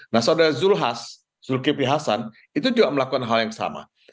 nah soedara zulkifri hasan itu juga melakukan hal yang sama